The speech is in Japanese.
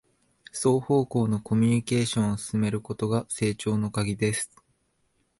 双方向のコミュニケーションを進めることが成長のカギです